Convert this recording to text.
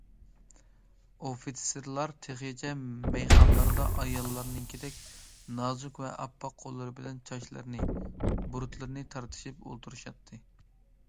ئوفىتسېرلار تېخىچە مەيخانىلاردا ئاياللارنىڭكىدەك نازۇك ۋە ئاپئاق قوللىرى بىلەن چاچلىرىنى، بۇرۇتلىرىنى تارتىشىپ ئولتۇرۇشاتتى.